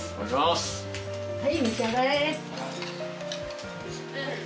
はい召し上がれ。